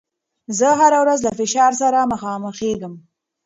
زه هره ورځ له فشار سره مخامخېږم.